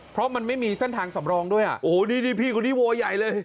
เพราะมันไม่มีเส้นทางสำรองด้วยอ่ะโอ้โหนี่นี่พี่คนนี้โวใหญ่เลย